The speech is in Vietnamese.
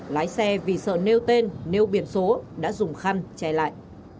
lái xe vì sợ nêu tên nêu biển số đã dùng khăn che lại